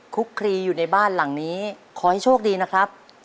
คุกคลีอยู่ในบ้านหลังนี้ขอให้โชคดีนะครับ